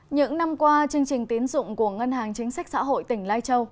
những năm qua chương trình tiến dụng của ngân hàng chính sách xã hội tỉnh lai châu